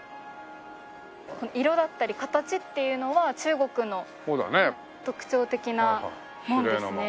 色だったり形っていうのは中国の特徴的な門ですね。